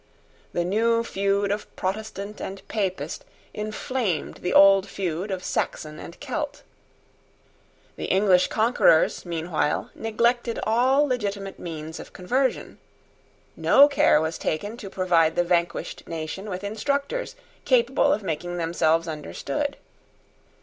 The new feud of Protestant and Papist inflamed the old feud of Saxon and Celt. The English conquerors meanwhile, neglected all legitimate means of conversion. No care was taken to provide the vanquished nation with instructors capable of making themselves understood.